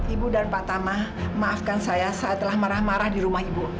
ibu dan pak tama maafkan saya saat telah marah marah di rumah ibu